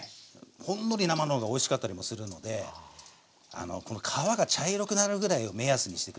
ほんのり生の方がおいしかったりもするのでこの皮が茶色くなるぐらいを目安にして下さい。